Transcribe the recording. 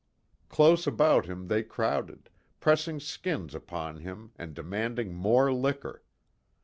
Close about him they crowded, pressing skins upon him and demanding more liquor.